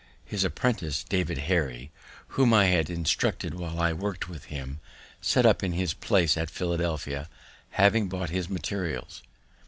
His apprentice, David Harry, whom I had instructed while I work'd with him, set up in his place at Philadelphia, having bought his materials.